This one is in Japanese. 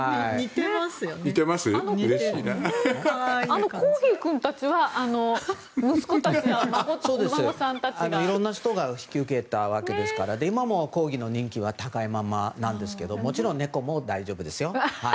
いろいろな人が引き受けたわけですから今もコーギーの人気は高いままなんですけどもちろん、猫も大丈夫ですよ。